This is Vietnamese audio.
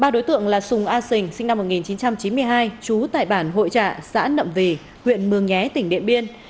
ba đối tượng là sùng a sình sinh năm một nghìn chín trăm chín mươi hai trú tại bản hội trạ xã nậm vỉ huyện mường nhé tỉnh điện biên